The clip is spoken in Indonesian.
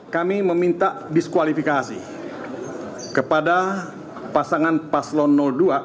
kami meminta diskualifikasi kepada pasangan paslon dua